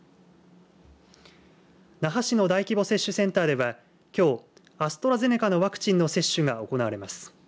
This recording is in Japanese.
那覇市の大規模接種センターでは、きょうアストラゼネカのワクチンの接種が行われます。